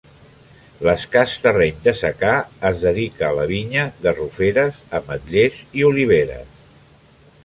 L'escàs terreny de secà es dedica a la vinya, garroferes, ametllers i oliveres.